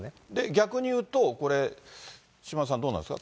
逆に言うとこれ、島田さん、どうなんですか？